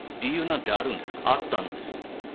あったんです。